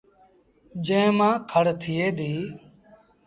جݩهݩ مآݩ کڙ ٿئي ديٚ